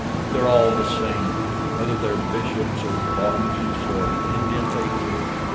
They're all the same, whether they're bishops, or bonzes, or Indian fakirs.